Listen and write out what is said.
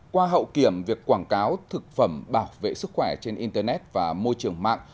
qua hậu kiểm việc quảng cáo thực phẩm bảo vệ sức khỏe trên internet và môi trường mạng